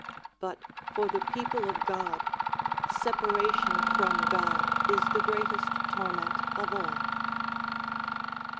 But for the people of God, separation from God is the greatest torment of all.